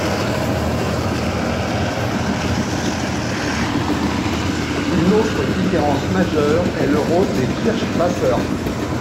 Une autre différence majeure est le rôle des Kirschwassers.